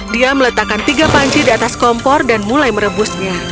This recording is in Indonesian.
dia meletakkan tiga panci di atas kompor dan mulai merebusnya